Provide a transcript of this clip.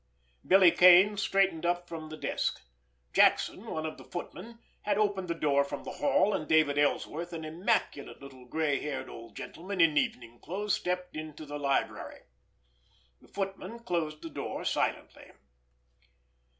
Billy Kane straightened up from the desk. Jackson, one of the footmen, had opened the door from the hall, and David Ellsworth, an immaculate little gray haired old gentleman, in evening clothes, stepped into the library. The footman closed the door silently.